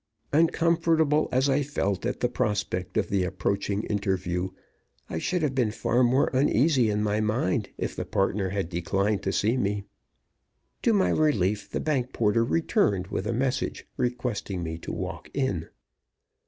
Uncomfortable as I felt at the prospect of the approaching interview, I should have been far more uneasy in my mind if the partner had declined to see me. To my relief, the bank porter returned with a message requesting me to walk in.